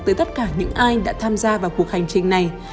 tới tất cả những ai đã tham gia vào cuộc hành trình này